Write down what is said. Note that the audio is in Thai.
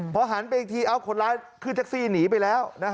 พอหันไป๑ทีคนร้ายคือเซ็คซี่หนีไปแล้ว